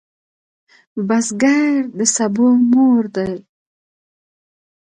بزګر د سبو مور دی